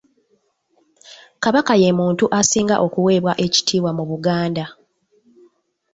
Kabaka ye muntu asinga okuweebwa ekitiibwa mu Buganda.